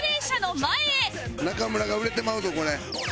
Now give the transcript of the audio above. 中村が売れてまうぞこれ。